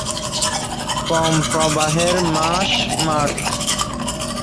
কম প্রবাহের মাস মার্চ।